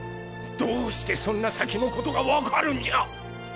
どうしてそんな先のことがわかるんじゃ！？